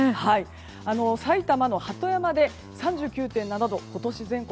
埼玉の鳩山で３９．７度今年全国